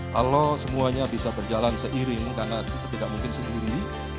kalau semuanya bisa berjalan seiring karena kita tidak mungkin sendiri